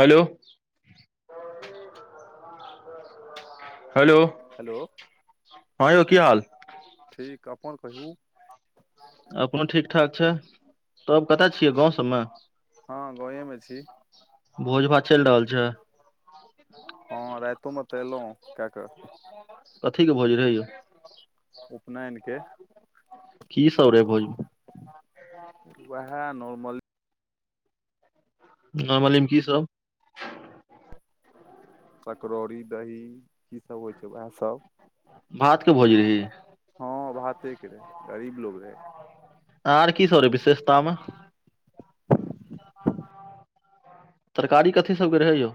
Hello बीान hello hello हँ यौ की हाल क अपनन कहि अपन ठीक ठाक छै तबब कतय छियै गाँंव सबमे हँ गाँवेमे छी भोज भात चलि रहल छै हँ रातोमे तल क कर कथीके भोज रहैयौ उपनायनक के की सब रहै भोज उहा नर्मल न मलम की सब पकड़ौरी दही कीसभ होइ छै उएहसभ भात के भोज रही हँ बाते के रहै गरीब लोग रहै आर की सरे विशेषतामे तरकारी कथी सभके रहै यौ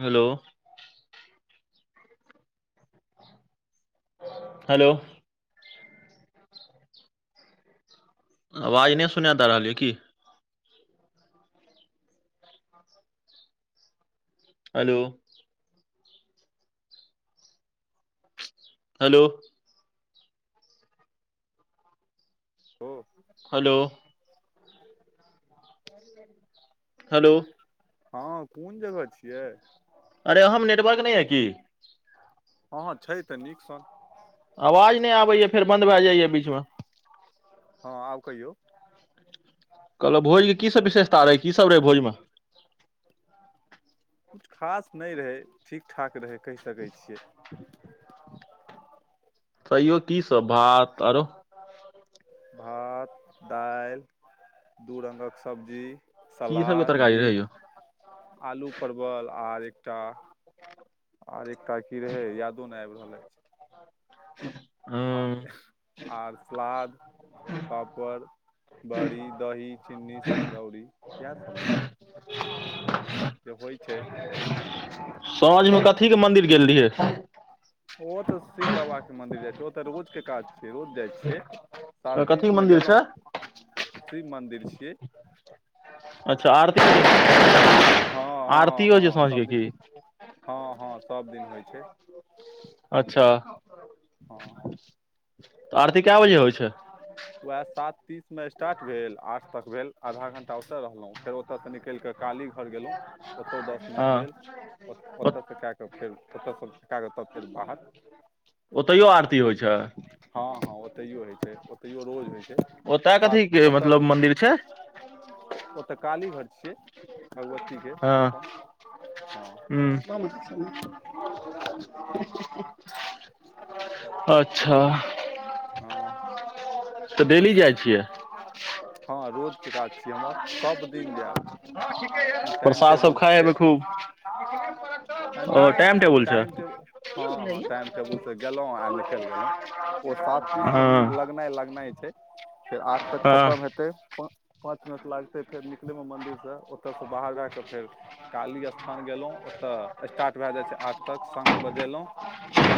हेलो हेलो आवाज नहि सुना द रहल य की हेलो हेलो ओ हेलो हलो हँ कोन जगह छियै अरे अहम नेटवर्क नहि है की हँ छै तऽ नीक सन आवाज नहि आबैया फेर बन्द भए जाइया बीचमे हँ आब कहियौ कहलहु भोज के की सब विशेषता रहै की सब रहै भोजमे किछु खास नहि रहै ठीक ठाक रहै कहि सकै छियै तैयो कीसभ भात आरो भात दालि दू रंगक सब्जी की सबके सलाद तरकारी घी रहै यौ आलू परवल आर एकटा आर एकटा की रहै यादो नहि आबि रहलै ह आ आर सलाद पापड़ बड़ी दही चीन्नी सकरौरी इएह सब न जे होइ छै साँझमे कथीके मंन्दिर गेल रहियै ओ तऽ शिव बाबा के मंन्दिर जाइ छै ओ तऽ रोजके काज छियै रोज जाइ छियै सात कथीके तीस मे मन्दिर गेलहुँ छै शिव मन्दिर छियै अच्छा आरती हँ आरती हँ होइ हँ छै साँझ के की सभदिन हँ हँ सभदिन होइ छै अच्छा हँ त आरती कै बजे होइ छै वएह सात तीस मे स्टार्ट भेल आठ तक भेल आधा घंटा उते रहलहुँ फेर ओतयसँ निकल के काली घर गेलहुँ ओतौ दस मिनट भेल हँ ओ ओतयसँ कए कऽ फेर ओतयसँ कए कऽ तब फेर बाहर ओतहियो आरती होइ छै तैयो होेय छै ओतयो रोज होय छै ओतय साथ कथी के ओतऽ मतलब मन्दिर छै ओतऽ काली घर छियै भगवती के स्थान ह्म अच्छा हँ तऽ डेली जाइ छियै हँ रोजके काज छी हमर सब दिन जायब टाइम प्रसाद सब टेबल खाइ होबै खूब आ ओ नहि टेबुल छै टाइम टेबुल हँ हँ टाइम टेबुलसँ गेलहुँ आ निकलि गेलहुँ ओ सात तीस हँ मे लगनाइ लगनाइ छै फेर आठ तक हँ खतम हेतै पाँच मिनट लागते फेर निकले में मंदिर से ओतय से बाहर भै क फेर काली स् स्थान गेलहुं ओतय स्टार्ट भए जाइ छै आठ तक शंख बजेलहु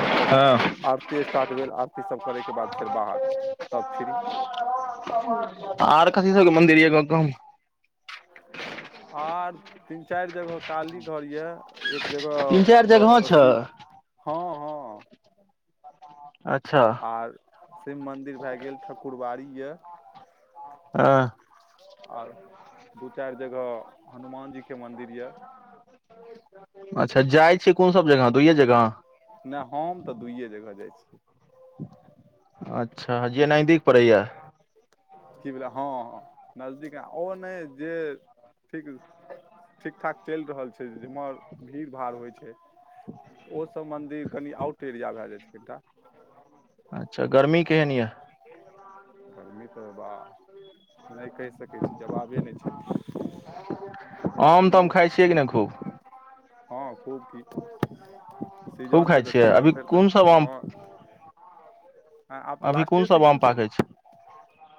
ओतय हँ आरती स्टार्ट भेल आरतीसभ करयके बाद फेर बाहर तब फ्री आर कथी सके मन्दिर य ग [inaudible] आर तीन चारि जगह काली घर यऽ एक जगह तीन चारि जगह अ छै शिव हँ हँ अच्छा आर शिव मन्दिर भए गेल ठाकुरबाड़ी यए ह आर दू चारि जगह हनुमान जीके मन्दिर यए अच्छा जाइ छियै कोन सभ जगह दुइए जगह नहि हम तऽ दुइए जगह जाइ छियै अच्छा जे नजदीक पड़ैया की भलै हँ नजदीक ओ नहि जे ठीक ठीक ठाक चलि रहल छै जाहिमे भीड़ भाड़ होइ छै ओसभ मन्दिर कनि आउट एरिया भए जाइ छै कनि टा केनिया आरमी तऽ बा नहि कहि सकै छी जवाबे नहि छथिन आम तऽ हम खाइ छियै कि नहि खूब हँ खूब ठीक खूब सीजन खाइ छै तऽ छियै अभी सीजन फेर तऽ कोन सब ह आम ह आब तऽ अभी कोन लास्टे सब आम सीजन छै ने पाकै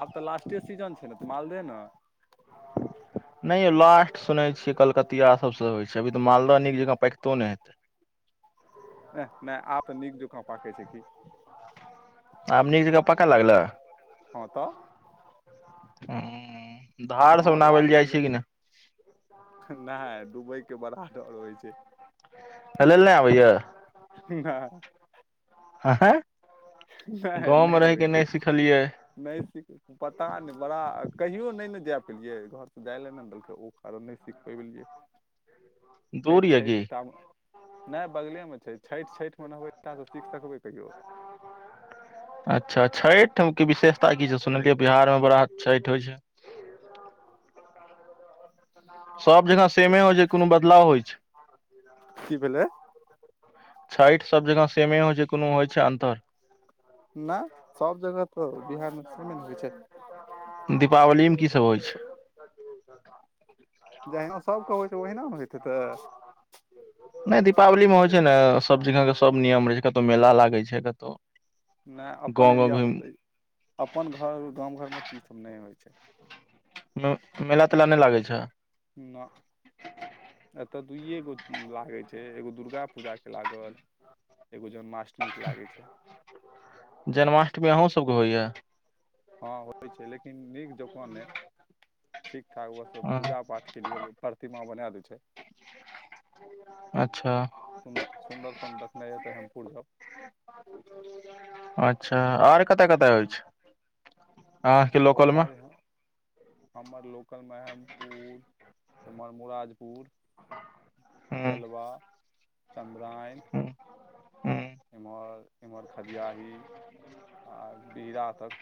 आब तऽ लास्टे सीजन छै ने तऽ मालदह ने नहि यौ लास्ट सुनैत छियै कलकतियाासभसँ होइ छै अभी तऽ मालदह नीक जकाँ पैकितो नहि हेतै हं नहि आ तऽ नीक दुोका पके छै की आ न एक ज पक लागल हँ तऽ ह हँ लासट सीजना है दुबइ के बरा आटर होइ छै अल नहि भैय हँ आहँ नहि नहि होइ छै सिखलियै नहि पता नहि बड़ा कहियो नहि ने जा पेलियै घर तऽ जाइ लए नहि देलकै ओ कारण नहि सीख पियै दूर छठि यऽ की छठि त नहि बगले मे छै छठि छठि म नबै अच्छासँ सीख सकबै कहियओ ह अच्छा छठि के विशेषता की छै सुनलियै बिहारमे बड़ा छठि होइ छै ह सब जगह सेमे एक होइ छै सेकेंड कोनो बदलाव होइ छै की भेलै छठि सब जकाँ सेमे होइ छै कोनो होइ छै अन्तर नहि सब जगह तऽ बिहारमे सेमे ने होइ छै ठीक दीपावलीमे कीसभ होइ छै जहिना सभके होइ छै ओहिना ने होत तऽ नहि दीपावलीमे होइ छै ने सभ जगह के सब नियम रहै छै कतहु मेला लागै छै कतहु नहि अपन एरियामे तऽ अपन घर गामव घरमे तऽ इसभ नहि होइ छै मेला तेला नहि लागै छै दुूइए गो लागे छै एगो दुर्गा पूजा के लागल एगो जन्माष्टमी के लागै छै होय हँ होइ छै लेकिन नीक जकाँ नहि ठीक ठाक ओएहसभ पूजा पाठके लिए प्रतिमा बना दै छै अच्छा सुन्दर सुन्दर सन रखने यए तऽ हैमपुर जाब अच्छा आर कतय कतय होइ छै अहाँके लोकल मे उर य हमर लोकल मे ुर एमहर मराजपुर हूँ तेलबा नराइन हूँ हूँ एम्हर एमहर खदियाही आ बिहरा तक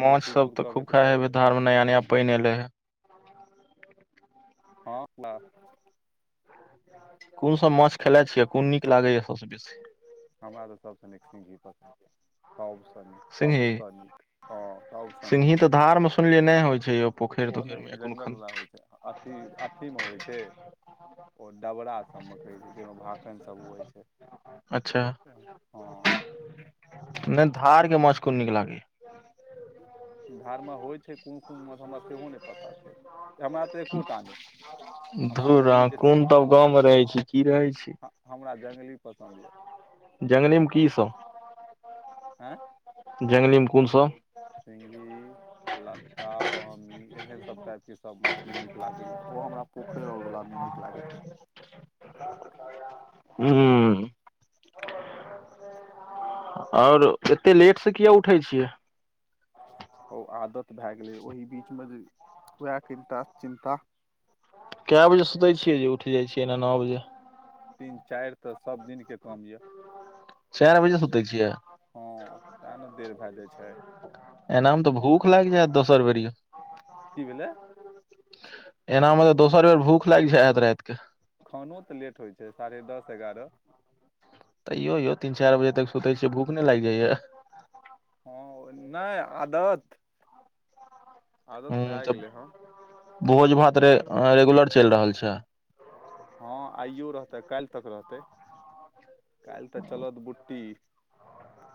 माछ बेसी सब दूर तऽ खूब कहबै खाइ हे करणपुर धार मे नया नया पानि एले हे हँ क कोन सभ माछ खेलाइत छियै कोन नीक लागैए सभसँ बेसी हमरा तऽ सबसँ नीक सिी पस सबसँ नीक सिंगही सबसँ नीक सभसँ सिंही नीक तऽ धारमे सुनलियै नहि होइ छै यौ पोखरि ओ नहि तोखरिमेा कोन ख अठीमे होइ छैय, ओ डबरा सबमे कहैय छैय जाहिमे माखन सब उबैय छैय। अच्छा हँ। अहाँ आर के माछ कोन नीक लागैय ये? धर्म होइ छैय कोन-कोन महज हमरा सेहो नहि पता छैय। एमे त एको टा नहि। हमरा धुर जंगली अहाँ बेसी कोन तब गाँवमे रहैय छी की रहैय छी। हमरा जंगली पसन्द यऽ जङ्गलेमे की सब? आंय। जङ्गलीमे कोन सब? सिंघी, लत्ता, बामी। एहन सब टाइपके, सब मछली नीक लागैय ओ हमरा पोखरि आओरवला नहि नीक लागैय छैय। ला न तऽ हूं-हूं। आओर एत्ते लेट सँ किये उठैय छियैय? होउ आदत भए गेलैय ओहि बीचमे जे, उहेक एकटा चिन्ता। कए बजे सुतैय छियैय जे उठैय जाइत छियैय एना नओ बजे? तीन-चारि त सब दिनके काम य। चारि बजे सुतै छियै हं, तेँ न देर भए जाइ छैय। एनामे त भुख लागि जायत दोसर बेरी यौ? की भेलै एनामे तऽ दोसर बेर भुख लागि जाइ हेत राति कऽ? खानो त लेट होइ छैय साढ़े दस-एगारह। तैयो यौ तीन-चारि बजे तक सुतैय छियैय भुख नहि लागि जाइये? नहि, आदत। आदत भए गेलैय ह। भोज-भात रेगुलर चलि रहल छैय। हँ, आइयो रहतै काइल तक रहतै, काइल त चलत बुट्टी।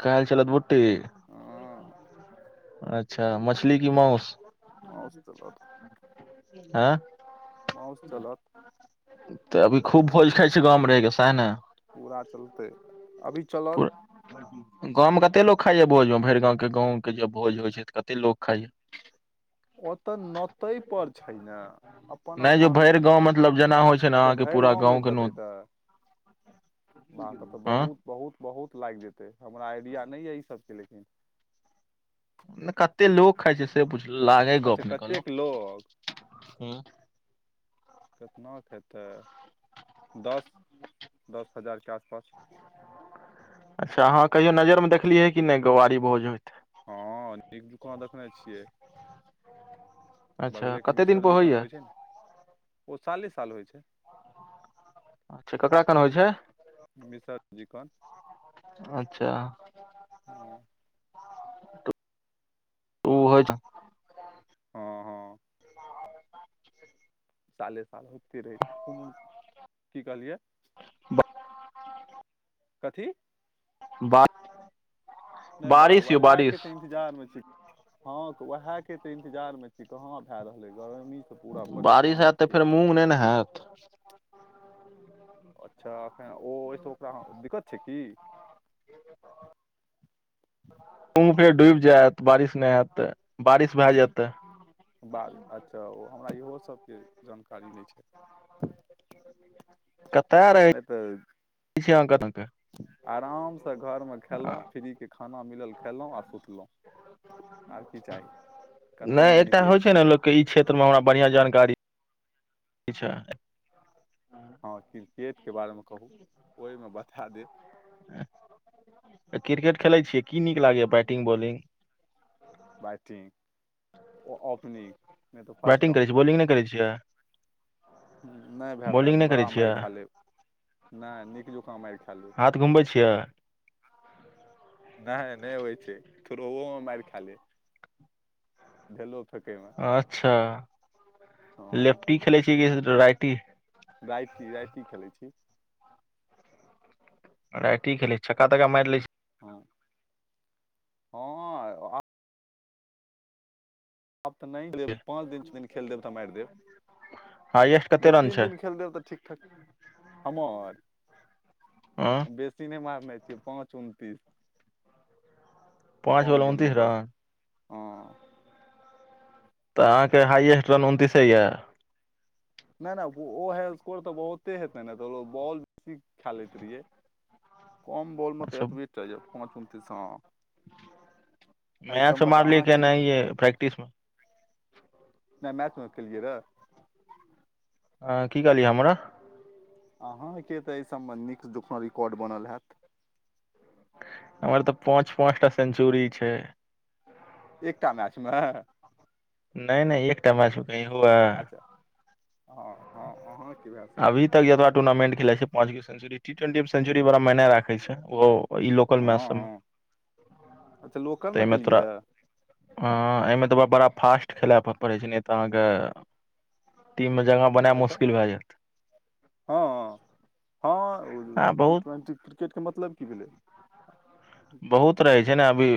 काइल चलत बुट्टी। हँ अच्छा, मछली की माउस माउस चलत ऐं? माउस चलत। त अभी खूब भोज खाइ छी गाँवमे रहिके सैह ने? पुरा चलतै, अभी चलत। गाँवमे कत्ते लोक खाइए भोजमे भइर गाँवके, गाँवके जँ भोज होइ छैय त कत्ते लोक खाइए? ओ त नौतयपर छैय ने, नहि जे अपन-अपन भरि गाँव मतलब जेना होइ छैय न की पुरा गाँवके नौत। बा तब त बहुत-बहुत-बहुत। लागि जेतै, हमरा आइडिया नै ये एहि सबके लेकिन कत्ते लोक खाइ छैय से पुछलौं? लागैल अच्छा गप्प नै कहलौं, कतेक लोग हुं। केतना खेतैय? दस, दस हजारके आस-पास। अच्छा अहाँ कहियो नजरिमे देखलियै कि नहि गौंआरी भोज होइत? हँ, नीक जकां देखने छियैय। अच्छा, कत्ते दिनपर होइए? ने ओ साले-साल होइ छैय। अच्छा ककड़ा-कोना होइ छैय? मिश्ररजी कन। अच्छा उ होइ छैय। हँ हँ साले-साल होइते रहैय छैय खेमे की कहलियै? कथी? बात। नहि भाइ वहै के तऽ इन्तजारमे छी हँ तऽ उएहके तऽ इंतजारमे छी कहाँ भए रहलै गरमी बारिश हैत तऽ फेर मूँग नहि ने हैत अच्छा एखन ओ ओहिसँ ओकरा दिक्कत छै की पुरे डूबि जायत बारिश नहि हैत तऽ बारिश भए जैत तऽ बारि अच्छा ओ हमरा इहो सबके जानकारी नहि छै कतय नहि रहै अंक तंक [unintelligible] आराम सँ घर मे खेलो फ्री के खाना मिलल खेलहुँ आ सुतलहुँ आर की चाही कतहु नहि एकटा निकलै होइ छै छियै ने लोककेँ ई क्षेत्रमे हमरा बढ़ियां जानकारी छै। हँ क्रिकेटके बारेमे कहू ओहिमे बता देब ऐंह क्रिकेट खेलैय छियै की नीक लागैए बैटिंग बॉलिंग बैटिंग ओपनिंग नहि तऽ बैटिंग करै छी बॉलिंग नहि करै छियै हूँ नहि भऽ पेत बॉलिंग नहि करै बड़ा मारि छियै खा लेब नहि नीक जुकाँ मारि खा लु हाथ घुमबै छियै नहि नहि होइ छै थड़ौओ मे मारि खा लेब भेलै [inaudible] अच्छा हँ लेफ्टी खेलै छियै कि राइटी रायति रायति खेलै छी राइटी खेलैछ छक्का तक्का मारि लै हँ [inaudible] आब तऽ नहि लेकिन पाँच दिन छौ दिन खेल देब तऽ मारि देब हाइएस्ट कते दू रन तीन छै दिन खेल देब तऽ ठीक ठाक हमर अ बेसी नहि मारने छियै पाँच उनतीस पाँच कम बला गेममे उनतीस रह बस हँ तऽ अहाँके हाइएस्ट रन उनतीसे यए नहि नहि ओ हे स्कोर तऽ बहुते हेतै ने तऽ बॉल बेसी खेलैत रहियै [inaudible] कम बोलमे तऽ अच्छा एतबि तऽ यौ पाँच उनतीस हँ [unintelligible] एहि मैचमे सबमे तऽ मारलियै कि अहाँके नहि एनाहिए प्रैक्टिसमे नहि मैचमे केलिय रह अहाँ की कहलियै हमरा अहाँके तऽ एहि सभ नीक जखनो रिकॉर्ड बनल हैत हमर तऽ पाँच पाँचटा सेन्चुरी छै एकटा मैचमे नहि नहि एकटा मैचमे कहीं हुए अच्छा हँ हँ अहाँके भए सकैए अभी तक अतबा टूर्नामेंट खेलै छी पाँच गो सेंचुरी ठीक सेंचुरी बड़ा मायने राखै छै ओ ई लोकल हँ मैच सभमे हँ अच्छा लोकलमे तैमे केलियै तोरा रहए हँ एहिमे तऽ बड़ा फास्ट खेला पर पड़ै छेलै तऽ अहाँके टीम मे जगह बनाएब मुश्किल भऽ जायत हँ हँ हँ ओ आ टी बहुत ट्वेन्टी क्रिकेट के मतलब की भेलै [inaudible] बहुत रहैय छै ने अभी